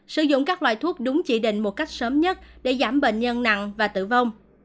sử dụng các loại thuốc đúng chỉ định một cách sớm nhất để giảm bệnh nhân nặng và tử vong